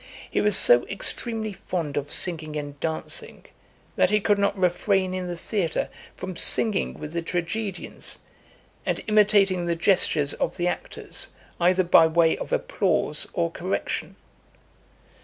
He was so extremely fond of singing and dancing, that he could not refrain in the theatre from singing with the tragedians, and imitating the gestures of the actors, either by way of applause or correction.